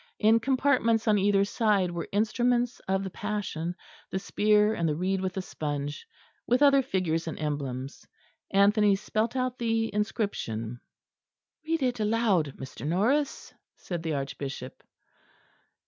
In compartments on either side were instruments of the Passion, the spear, and the reed with the sponge, with other figures and emblems. Anthony spelt out the inscription. "Read it aloud, Mr. Norris," said the Archbishop.